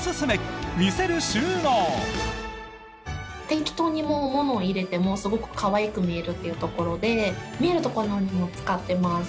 適当に物を入れてもすごく可愛く見えるというところで見えるところでも使ってます。